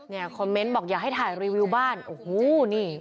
เนี่ยคอมเม้นบอกอยากให้ถ่ายรีวิวบ้านโอ้หูนี่